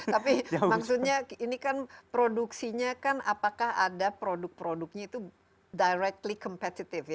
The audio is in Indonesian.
tapi maksudnya ini kan produksinya kan apakah ada produk produknya itu directly competitive ya